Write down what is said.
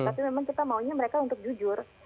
tapi memang kita maunya mereka untuk jujur